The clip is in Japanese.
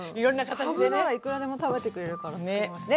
かぶならいくらでも食べてくれるから作ります。